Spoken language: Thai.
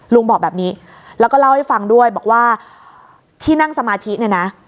ลุงบอกแบบนี้แล้วก็เล่าให้ฟังด้วยบอกว่าที่นั่งสมาธิเนี่ยนะ